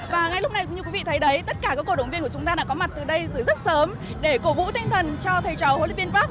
và ngay lúc này như quý vị thấy đấy tất cả các cầu động viên của chúng ta đã có mặt từ đây từ rất sớm để cố vũ tinh thần cho thầy trò hội lớp viên park